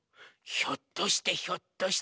ひょっとしてひょっとして。